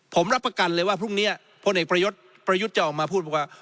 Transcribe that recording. ผมรับประกันเลยว่าพรุ่งนี้พลเอกประยุทธ์จะออกมาพูดว่า